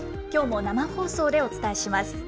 きょうも生放送でお伝えします。